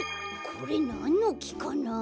これなんのきかな？